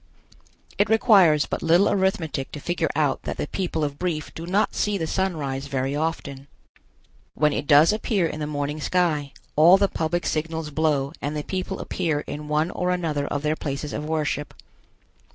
It requires but little arithmetic to figure out that the people of Brief do not see the sun rise very often. When it does appear in the morning sky, all the public signals blow and the people appear in one or another of their places of worship.